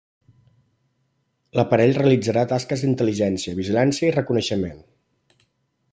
L'aparell realitzarà tasques d'intel·ligència, vigilància i reconeixement.